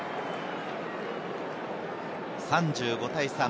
３５対３。